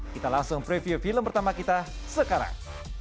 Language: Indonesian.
kita langsung preview film pertama kita sekarang